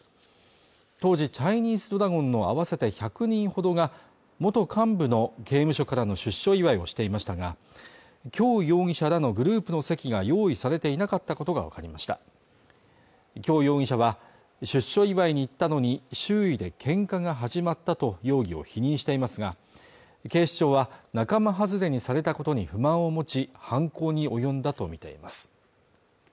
当時チャイニーズドラゴンの合わせて１００人ほどが元幹部の刑務所からの出所祝いをしていましたが姜容疑者らのグループの席が用意されていなかったことが分かりました姜容疑者は出所祝いに行ったのに周囲で喧嘩が始まったと容疑を否認していますが警視庁は仲間外れにされたことに不満を持ち犯行に及んだとみています